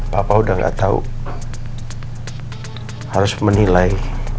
papa udah gak tau harus menilai